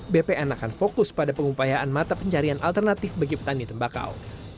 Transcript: bpn akan fokus pada pengupayaan mata pencarian alternatif bagi petani tembakau